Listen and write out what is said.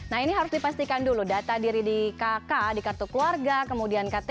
nah ini harus dipastikan dulu data diri di kk di kartu keluarga kemudian ktp